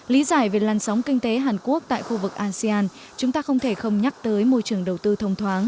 lý giải về lan sóng kinh tế hàn quốc tại khu vực asean chúng ta không thể không nhắc tới môi trường đầu tư thông thoáng